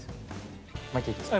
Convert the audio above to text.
巻いていいですか？